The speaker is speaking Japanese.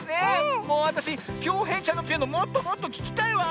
もうわたしきょうへいちゃんのピアノもっともっとききたいわ！